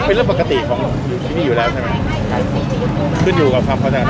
เป็นเรื่องปกติที่มีอยู่แล้วใช่ไหมครับ